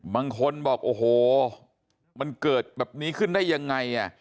บางคนบอกโอ้โหมันเกิดแบบนี้ขึ้นได้ยังไง